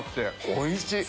おいしい！